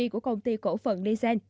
của công ty cổ phần nissan